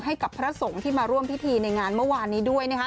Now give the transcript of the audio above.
ให้กับพระสงฆ์ที่มาร่วมพิธีในงานเมื่อวานนี้ด้วย